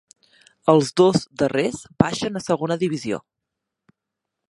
Els dos darrers baixen a segona divisió.